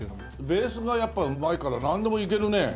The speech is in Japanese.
ベースがやっぱりうまいからなんでもいけるね。